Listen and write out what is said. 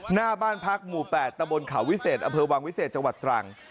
หน้าบ้านพักหมู่๘ตะบนเขาวิเศษอำเภอวังวิเศษจังหวัดตรัง